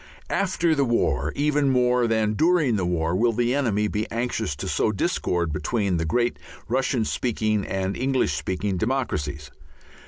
After the war even more than during the war will the enemy be anxious to sow discord between the great Russian speaking and English speaking democracies.